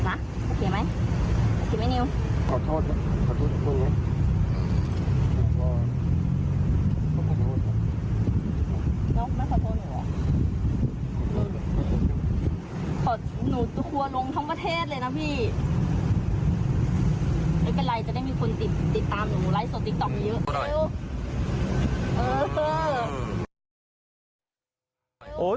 ไปทำอะไรจะได้มีคนติด